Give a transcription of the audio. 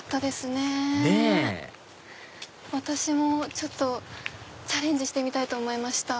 ねぇ私もちょっとチャレンジしたいと思いました。